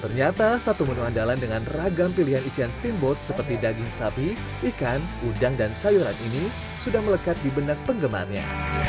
ternyata satu menu andalan dengan ragam pilihan isian teamboat seperti daging sapi ikan udang dan sayuran ini sudah melekat di benak penggemarnya